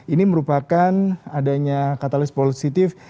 ini merupakan adanya katalis positif